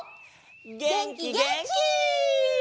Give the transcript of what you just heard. げんきげんき！